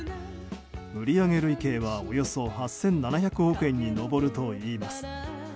売上累計はおよそ８７００億円に上るといいます。